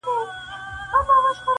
له ګوښې یې ښایسته مرغۍ څارله -